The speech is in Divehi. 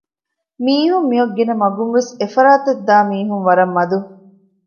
މީހުން މިއޮއް ގިނަ މަގުންވެސް އެފަރާތަށްދާ މީހުން ވަރަށް މަދު